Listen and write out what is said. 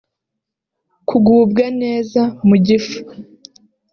Kugubwa neza mu gifu